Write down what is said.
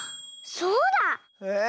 そうだ！えっ？